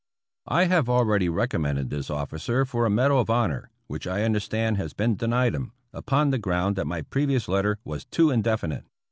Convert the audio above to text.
I have already recommended this officer for a medal of honor, which I understand has been denied him, upon the ground that my previous letter was too indefinite.